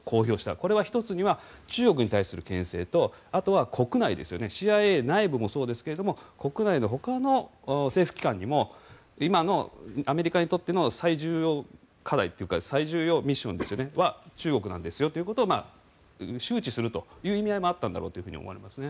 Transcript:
これは１つには中国に対するけん制とあとは、国内ですよねＣＩＡ内部もそうですけども国内のほかの政府機関にも今のアメリカにとっての最重要課題というか最重要ミッションは中国なんですよということを周知するという意味合いもあったんだろうと思われますね。